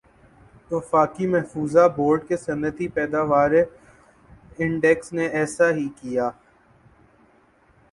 وفاقی محفوظہ بورڈ کے صنعتی پیداواری انڈیکس نے ایسا ہی کِیا